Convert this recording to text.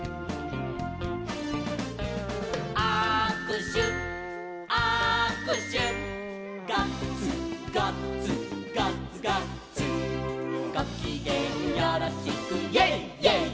「あくしゅあくしゅ」「ガッツガッツガッツガッツ」「ごきげんよろしく」「イェイイェイイェイ！」